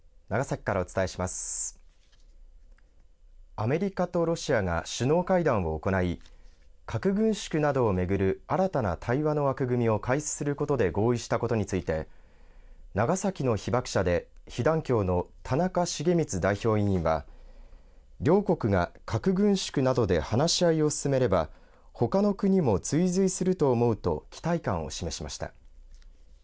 アメリカとロシアが首脳会談を行い核軍縮などをめぐる新たな対話の枠組みを開始することで合意したことについて長崎の被爆者で被団協の田中重光代表委員は両国が核軍縮などで話し合いを進めればほかの国も追随すると思うと期待感を示しました。